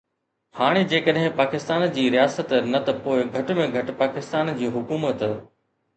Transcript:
هاڻ جيڪڏهن پاڪستان جي رياست نه ته پوءِ گهٽ ۾ گهٽ پاڪستان جي حڪومت